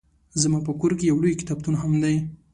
زما په کور کې يو لوی کتابتون هم دی